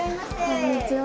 こんにちは。